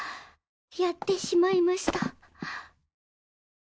やってしまいました。